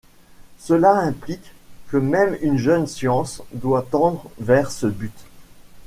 Cela implique que même une jeune science doit tendre vers ce but.